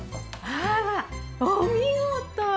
あらお見事！